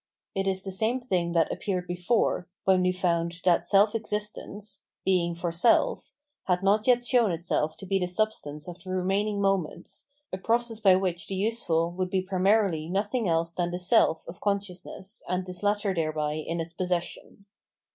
It is the same thing that appeared before when we found that self existence (being for self) had not yet shown itself to be the substance of the remaining moments, a process by w^hich the useful would be primarily nothing else than the self of consciousness and this latter thereby in its possession.